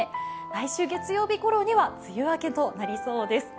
来週月曜日ごろには梅雨明けとなりそうです。